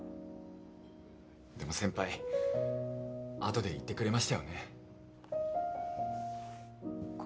でも先輩後で言ってくれましたよね。